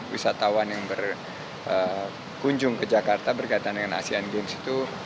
wisatawan yang berkunjung ke jakarta berkaitan dengan asean games itu